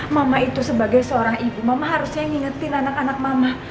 mama itu sebagai seorang ibu mama harusnya ngingetin anak anak mama